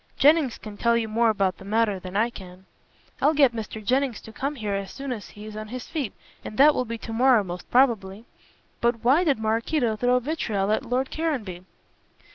Jennings can tell you more about the matter than I can." "I'll get Mr. Jennings to come here as soon as he is on his feet, and that will be to morrow most probably. But why did Maraquito throw vitriol at Lord Caranby?"